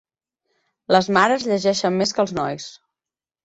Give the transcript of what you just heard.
Les mares llegeixen més que els nois.